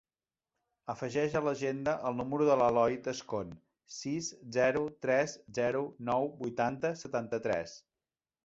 Afegeix a l'agenda el número de l'Eloi Tascon: sis, zero, tres, zero, nou, vuitanta, setanta-tres.